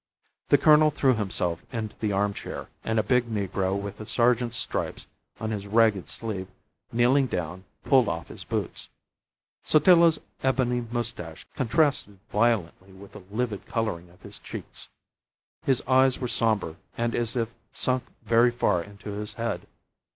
The colonel threw himself into the armchair, and a big negro with a sergeant's stripes on his ragged sleeve, kneeling down, pulled off his boots. Sotillo's ebony moustache contrasted violently with the livid colouring of his cheeks. His eyes were sombre and as if sunk very far into his head.